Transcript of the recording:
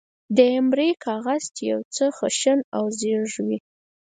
د ایمرۍ کاغذ، چې یو څه خشن او زېږ وي.